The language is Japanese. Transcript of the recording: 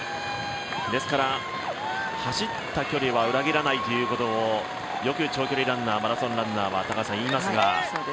ですから、走った距離は裏切らないということをよく長距離ランナーマラソンランナーは言いますが。